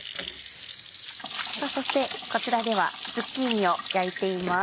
さぁそしてこちらではズッキーニを焼いています。